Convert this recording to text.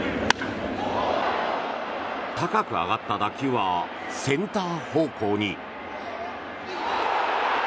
高く上がった打球はセンター方向に。